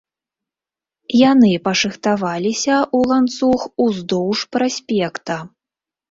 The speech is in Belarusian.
Яны пашыхтаваліся ў ланцуг уздоўж праспекта.